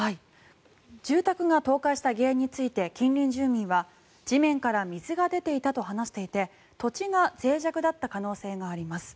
住宅が倒壊した原因について近隣住民は、地面から水が出ていたと話していて土地がぜい弱だった可能性があります。